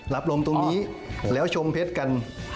รับลมตรงนี้แล้วชมเพชรกัน